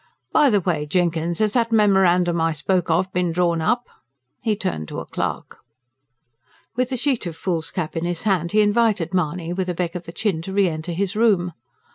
"By the way, Jenkins, has that memorandum I spoke of been drawn up?" he turned to a clerk. With a sheet of foolscap in his hand, he invited Mahony with a beck of the chin to re enter his room.